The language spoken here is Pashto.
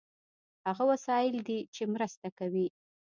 هغه وسایل دي چې مرسته کوي.